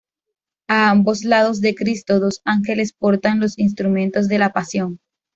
A ambos lados de Cristo dos ángeles portan los instrumentos de la Pasión.